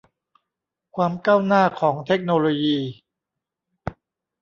ความก้าวหน้าของเทคโนโลยี